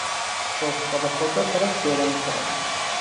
بشقاب خود را پر از برنج کردم.